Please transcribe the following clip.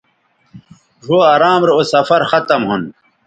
ڙھؤ ارام رے اوسفرختم ھون